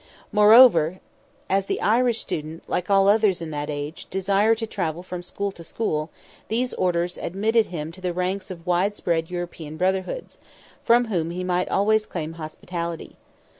Moreover, as the Irish student, like all others in that age, desired to travel from school to school, these orders admitted him to the ranks of widespread European brotherhoods, from whom he might always claim hospitality.